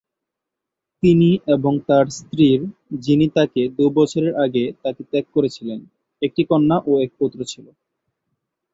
তিনি এবং তার স্ত্রীর, যিনি তাকে দু'বছরের আগে তাকে ত্যাগ করেছিলেন একটি কন্যা ও এক পুত্র ছিল।